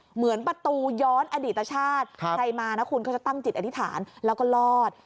เหมือนประตูย้อนอดีตชาติใครมานะคุณก็จะตั้งจิตอธิษฐานแล้วก็รอด